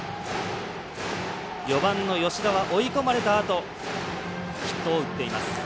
４番の吉田は追い込まれたあとヒットを打っています。